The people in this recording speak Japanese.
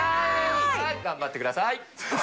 頑張ってください。